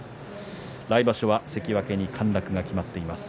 来場所は関脇に陥落が決まっています。